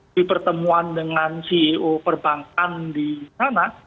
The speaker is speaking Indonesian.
di pertemuan dengan ceo perbankan di sana